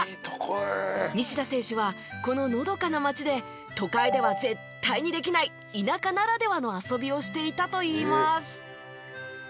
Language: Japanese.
西田選手はこののどかな町で都会では絶対にできない田舎ならではの遊びをしていたといいます。